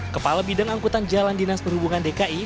kepala bidang angkutan jalan dinas perhubungan dki